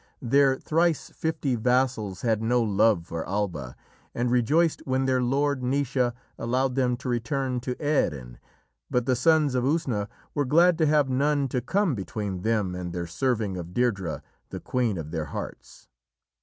Their thrice fifty vassals had no love for Alba, and rejoiced when their lord, Naoise, allowed them to return to Erin, but the Sons of Usna were glad to have none to come between them and their serving of Deirdrê, the queen of their hearts.